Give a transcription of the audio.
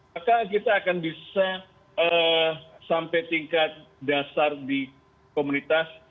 maka kita akan bisa sampai tingkat dasar di komunitas